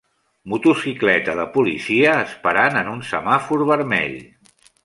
Motocicleta de policia esperant en un semàfor vermell.